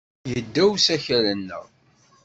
Yedda usakal-nneɣ.